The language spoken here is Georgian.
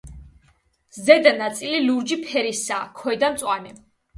ზედა ნაწილი ლურჯი ფერისაა, ქვედა მწვანე.